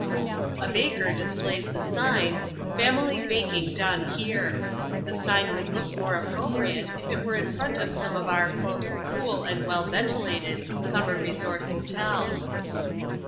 A baker displays the sign, "Family Baking Done Here." The sign would look more appropriate if it were in front of some of our "cool and well ventilated" summer resort hotels.